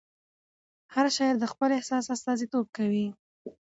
هر شاعر د خپل احساس استازیتوب کوي.